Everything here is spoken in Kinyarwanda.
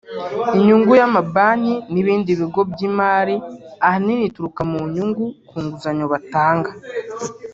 Inyungu y’amabanki n’ibindi bigo by’imari ahanini ituruka mu nyungu ku nguzanyo batanga